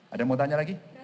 ada yang mau tanya lagi